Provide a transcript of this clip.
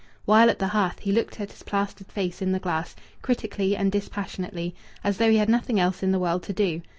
While at the hearth he looked at his plastered face in the glass, critically and dispassionately, as though he had nothing else in the world to do.